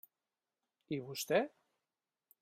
I vostè?